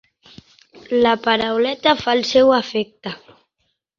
La parauleta fa el seu efecte.